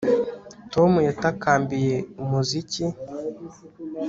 Tom yatakambiye umuziki